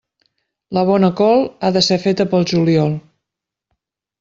La bona col ha de ser feta pel juliol.